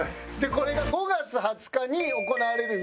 これが５月２０日に行われる野外フェス。